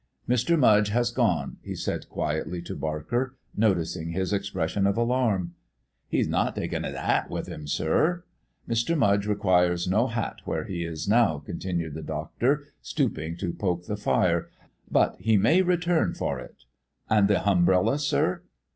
"Mr. Mudge has gone," he said quietly to Barker, noticing his expression of alarm. "He's not taken his 'at with him, sir." "Mr. Mudge requires no hat where he is now," continued the doctor, stooping to poke the fire. "But he may return for it " "And the humbrella, sir."